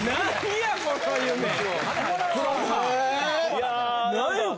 いや何か。